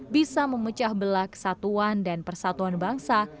bisa memecah belah kesatuan dan persatuan bangsa